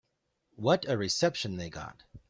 What a reception they got.